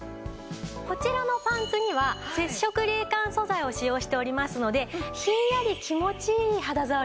こちらのパンツには接触冷感素材を使用しておりますのでひんやり気持ちいい肌触りなんですよね。